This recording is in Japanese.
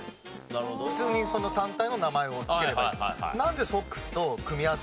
普通にその単体の名前をつければいい。